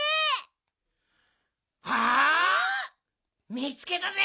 みつけたぜ！